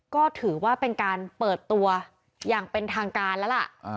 ก็ถือว่าเป็นการเปิดตัวอย่างเป็นทางการแล้วล่ะ